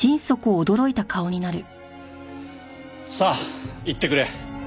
さあ言ってくれ！